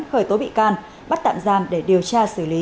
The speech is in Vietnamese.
khởi tố bị can bắt tạm giam để điều tra xử lý